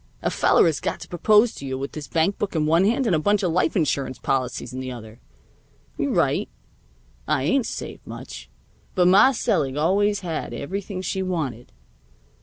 A feller is got to propose to you with his bank book in one hand and a bunch of life insurance policies in the other. You're right; I ain't saved much. But Ma selig always had everything she wanted.